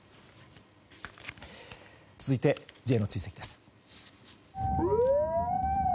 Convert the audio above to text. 続いて、Ｊの追跡です。